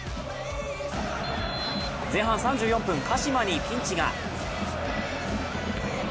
前半３４分、鹿島にピンチが。